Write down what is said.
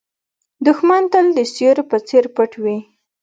دښمن تل د سیوري په څېر پټ وي